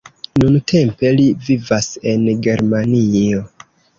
Nuntempe li vivas en Germanio.